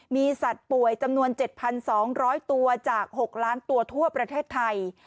มีสัตว์ป่วยจำนวน๗๒๐๐ตัวจาก๖ล้านตัวทั่วประเทศไทย